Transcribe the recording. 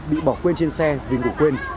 bị bỏ quên trên xe vì ngủ quên